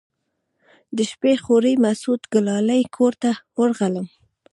د شپې خوريي مسعود ګلالي کور ته ورغلم.